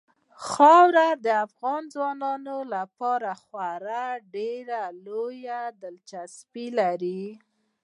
خاوره د افغان ځوانانو لپاره خورا ډېره لویه دلچسپي لري.